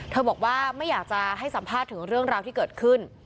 บอกว่าไม่อยากจะให้สัมภาษณ์ถึงเรื่องราวที่เกิดขึ้น